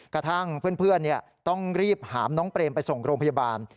กระทั่งเพื่อนต้องรีบหามน้องเปรมไปส่งโรงพยาบาล